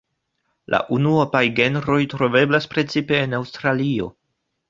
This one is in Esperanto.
La unuopaj genroj troveblas precipe en Aŭstralio.